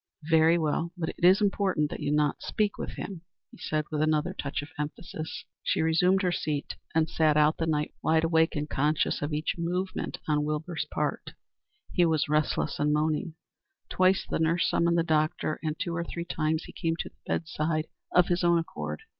"Very well. But it is important that you should not speak to him," he said with another touch of emphasis. She resumed her seat and sat out the night, wide awake and conscious of each movement on Wilbur's part. He was restless and moaning. Twice the nurse summoned the doctor, and two or three times he came to the bed side of his own accord.